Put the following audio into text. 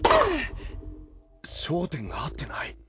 焦点が合ってない。